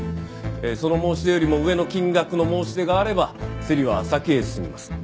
その申し出よりも上の金額の申し出があれば競りは先へ進みます。